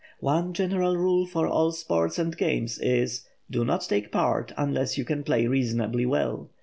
One general rule for all sports and games is, do not take part unless you can play reasonably well.